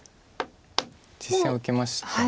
実戦受けましたが。